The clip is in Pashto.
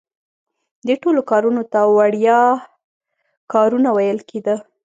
دې ټولو کارونو ته وړیا کارونه ویل کیده.